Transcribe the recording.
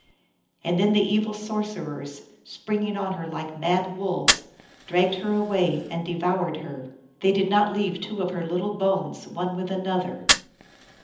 And then the evil sorcerers, springing on her like mad wolves, dragged her away and devoured her. They did not leave two of her little bones one with an other.